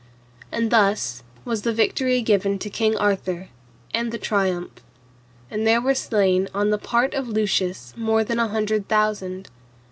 And thus was the victory given to King Arthur, and the triumph; and there were slain on the part of Lucius more than an hundred thousand.